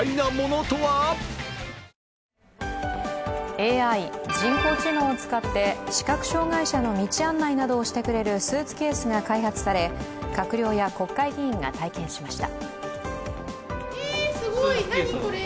ＡＩ＝人工知能を使って視覚障害者の道案内などをしてくれるスーツケースが開発され、閣僚や国会議員が体験しました。